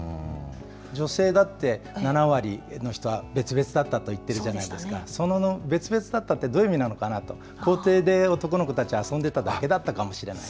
女性だって、７割の人は別々だったと言ってるじゃないですか、その別々だったというのはどういう意味かなと、校庭で男の子たち遊んでいただけだったかもしれない。